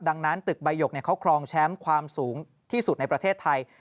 ดังนั้นตึกใบหยกเขาครองแชมป์ความสูงที่สุดในประเทศไทย